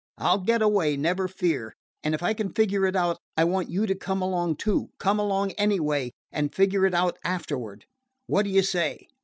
I 'll get away, never fear, and if I can figure it out I want you to come along too; come along anyway, and figure it out afterward. What d' you say?"